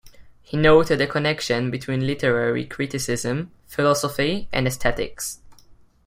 He noted the connection between literary criticism, philosophy and aesthetics.